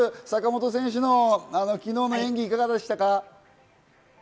坂本選手の昨日の演技、いかがでしたか？